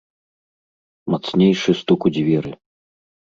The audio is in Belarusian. Мацнейшы стук у дзверы.